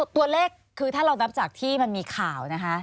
ตัวเลขคือถ้าเรานับจากที่มันมีข่าวนะคะ